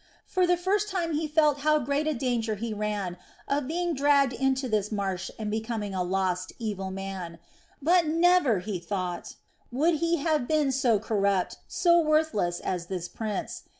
For the first time he felt how great a danger he ran of being dragged into this marsh and becoming a lost, evil man; but never, he thought, would he have been so corrupt, so worthless, as this prince.